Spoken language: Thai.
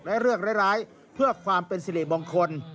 และเรื่องร้ายเพื่อความเป็นสิริมงคล